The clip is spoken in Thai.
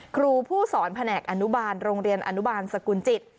ครูผู้สอนแผนกอนุบาลโรงเรียนอนุบาลสกุลจิต